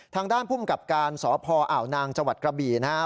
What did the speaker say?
ทางด้านพุ่มกับการสภอ่าวนางจกระบีนะครับ